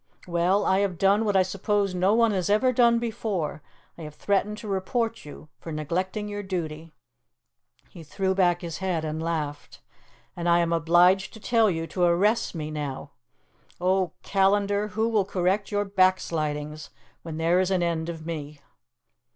Well, I have done what I suppose no one has ever done before: I have threatened to report you for neglecting your duty." He threw back his head and laughed. "And I am obliged to tell you to arrest me now. O Callandar, who will correct your backslidings when there is an end of me?"